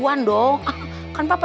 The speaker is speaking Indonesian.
sampe mungkin udah corak concurrentnya pun